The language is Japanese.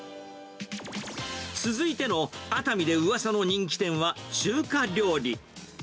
続いての熱海でうわさの人気店は中華料理。